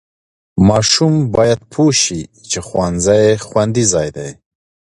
ماشوم باید پوه شي چې ښوونځي خوندي ځای دی.